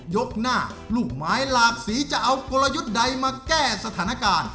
ยกหน้าลูกไม้หลากสีจะเอากลยุทธ์ใดมาแก้สถานการณ์